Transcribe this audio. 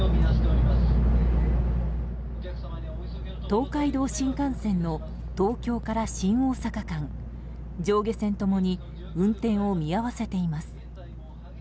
東海道新幹線の東京から新大阪間、上下線ともに運転を見合わせています。